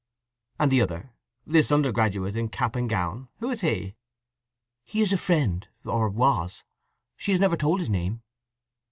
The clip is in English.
"And the other—this undergraduate in cap and gown—who is he?" "He is a friend, or was. She has never told his name."